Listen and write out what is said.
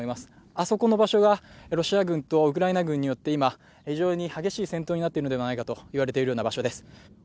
あそこの場所がロシア軍とウクライナ軍によって、今、非常に激しい戦闘になっているのではないかと言われているよう場所です。